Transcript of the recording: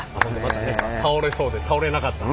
倒れそうで倒れなかった。